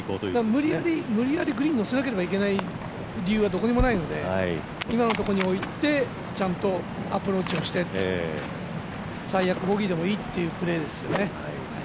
無理矢理グリーンに乗せなきゃいけない理由はどこにもないので今のところにおいて、ちゃんとアプローチをして最悪、ボギーでもいいっていうプレーですよね。